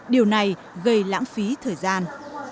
điều này gây lãng phí thời gian